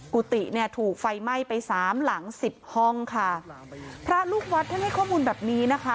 กุฏิเนี่ยถูกไฟไหม้ไปสามหลังสิบห้องค่ะพระลูกวัดท่านให้ข้อมูลแบบนี้นะคะ